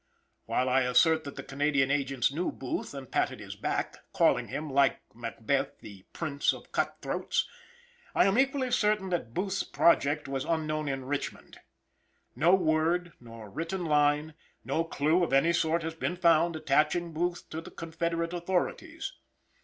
While I assert that the Canadian agents knew Booth and patted his back, calling him, like Macbeth, the "prince of cut throats," I am equally certain that Booth's project was unknown in Richmond. No word, nor written line, no clue of any sort has been found attaching Booth to the confederate authorities.